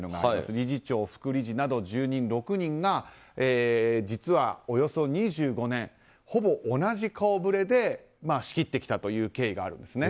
理事長、副理事など住人６人が実はおよそ２５年ほぼ同じ顔ぶれで仕切ってきたという経緯があるんですね。